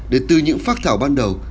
để từ những phát thảo ban đầu